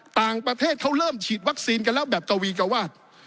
ต่างประเทศเขาเริ่มฉีดวัคซีนกันแล้วแบบกวีกวาด